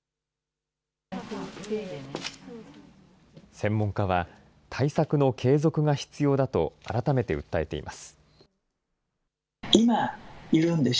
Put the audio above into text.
専門家は、対策の継続が必要だと、改めて訴えています。